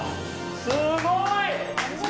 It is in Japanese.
すごい！